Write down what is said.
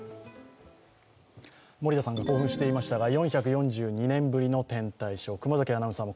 森田さんが興奮していましたが、４４２年ぶりの天体ショー。